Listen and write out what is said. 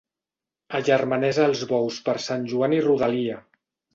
Agermanés els bous per sant Joan i rodalia.